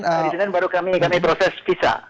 hari senin baru kami proses visa